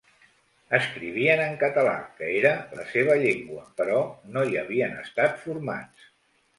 Escrivien en català, que era la seva llengua, però no hi havien estat formats.